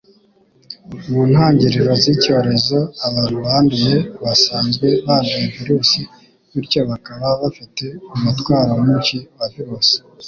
Mu ntangiriro z'icyorezo, abantu banduye basanzwe banduye virusi bityo bakaba bafite umutwaro mwinshi wa virusi